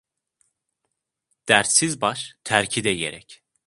Dertsiz baş terkide gerek.